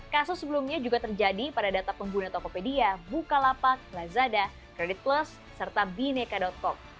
kasus sebelumnya juga terjadi pada data pengguna tokopedia bukalapak lazada kredit plus serta bineka com